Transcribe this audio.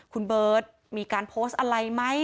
คุณเบิร์ตมีการโพสต์อะไรไหม